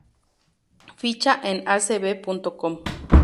Ficha en Acb.com